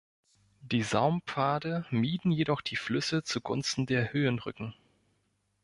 Die Saumpfade mieden jedoch die Flüsse zugunsten der Höhenrücken.